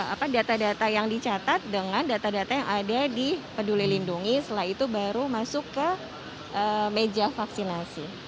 apa data data yang dicatat dengan data data yang ada di peduli lindungi setelah itu baru masuk ke meja vaksinasi